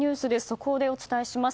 速報でお伝えします。